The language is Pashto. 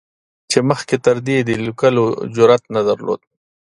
چې مخکې تر دې یې د لیکلو جرعت نه درلود.